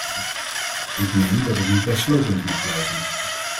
Ik meen dat het niet bij slogans mag blijven.